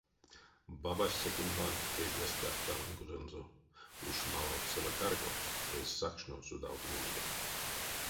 Бабась, секень вант, кеждяськак лангозонзо: уш малав цела тарго эзь сакшно содавтомонзо.